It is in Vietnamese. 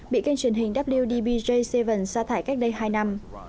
bị kênh truyền hình wdbj bảy xa thải cách đây hai năm